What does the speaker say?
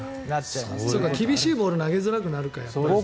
厳しいボール投げづらくなっちゃうか。